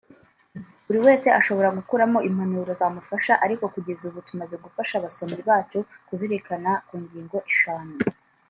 Buri wese ashobora gukuramo impanuro zamufasha ariko kugeza ubu tumaze gufasha abasomyi bacu kuzirikana ku ngingo eshanu